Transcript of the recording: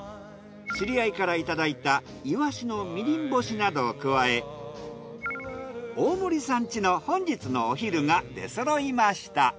知り合いからいただいたイワシのみりん干しなどを加え大森さんちの本日のお昼が出そろいました。